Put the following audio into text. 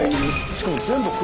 しかも全部黒？